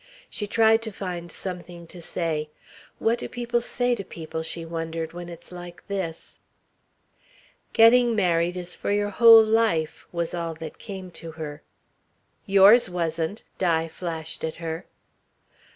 She tried to find something to say. "What do people say to people," she wondered, "when it's like this?" "Getting married is for your whole life," was all that came to her. "Yours wasn't," Di flashed at her.